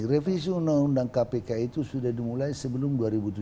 revisi undang undang kpk itu sudah dimulai sebelum dua ribu tujuh belas